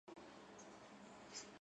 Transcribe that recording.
დაიბადა ილინოისის შტატში.